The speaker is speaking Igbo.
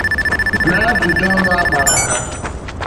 N'ajụjụọnụ a gbara ha